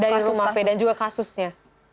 dari rumah p dan juga kasusnya